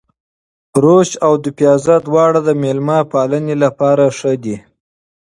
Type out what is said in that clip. روش او دوپيازه دواړه د مېلمه پالنې لپاره ښه دي.